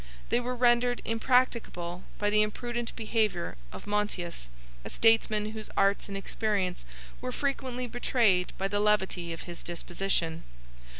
They were rendered impracticable by the imprudent behavior of Montius, a statesman whose arts and experience were frequently betrayed by the levity of his disposition.